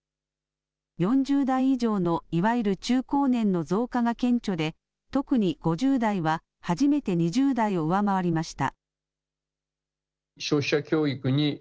４０代以上のいわゆる中高年の増加が顕著で特に５０代は初めて２０代を上回りました。